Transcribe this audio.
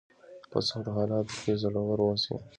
په سختو حالاتو کې زړور اوسئ.